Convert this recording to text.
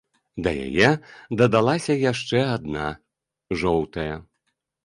Да яе дадалася яшчэ адна, жоўтая.